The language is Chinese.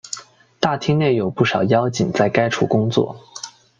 大厅内有不少妖精在该处工作。